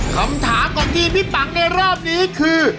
คำถามของทีมพี่ปังในรอบนี้คือ